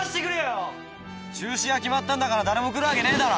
中止が決まったんだから誰も来るわけねえだろ。